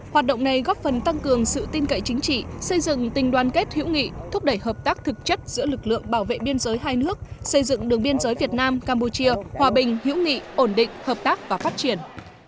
hoạt động này góp phần tăng cường sự tin cậy chính trị xây dựng tình đoàn kết hữu nghị thúc đẩy hợp tác thực chất giữa lực lượng bảo vệ biên giới hai nước xây dựng đường biên giới việt nam campuchia hòa bình hữu nghị ổn định hợp tác và phát triển